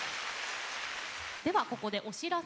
ではここでお知らせです。